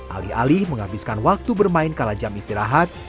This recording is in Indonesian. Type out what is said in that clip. alih alih menghabiskan waktu bermain kalajam istirahat